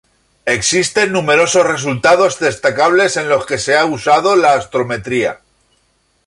Existen numerosos resultados destacables en los que se ha usado la astrometría.